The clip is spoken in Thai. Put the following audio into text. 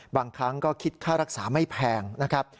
บางครั้งก็คิดค่ารักษาไม่แพงนะครับ